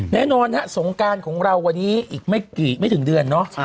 แน่นอนฮะสงการของเราวันนี้อีกไม่ถึงเดือนเนาะ